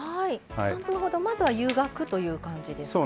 ３分ほど湯がくという感じですね。